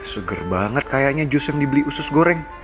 seger banget kayaknya jus yang dibeli usus goreng